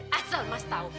dan asal mas tahu